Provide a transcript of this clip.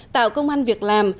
tạo công an việc làm